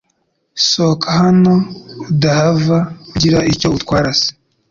Sohoka hano udahava ugira icyo utwaras